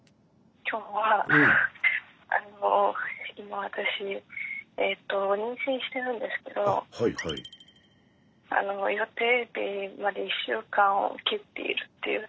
きょうは今私妊娠してるんですけど予定日まで１週間を切っているっていうところで。